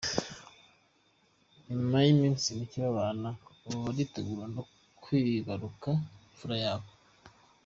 Nyuma y’iminsi micye babana, ubu baritegura no kwibaruka imfura yabo.